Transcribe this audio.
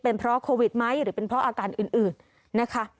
เป็นเพราะโควิดไหมหรือเป็นเพราะอาการอื่นนะคะ